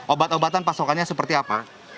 obat obatan pasokannya seperti apa